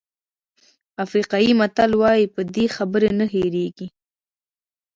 افریقایي متل وایي بدې خبرې نه هېرېږي.